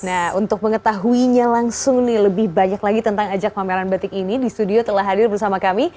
nah untuk mengetahuinya langsung nih lebih banyak lagi tentang ajak pameran batik ini di studio telah hadir bersama kami